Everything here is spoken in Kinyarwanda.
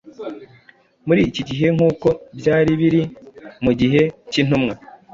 Muri iki gihe nk’uko byari biri mu gihe cy’intumwa,